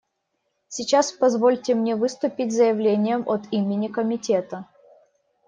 Сейчас позвольте мне выступить с заявлением от имени Комитета.